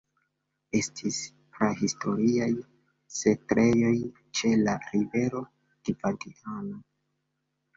Estis prahistoriaj setlejoj ĉe la rivero Gvadiano.